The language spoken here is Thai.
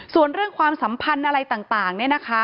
ส่วนเรื่องความสัมพันธ์อะไรต่างเนี่ยนะคะ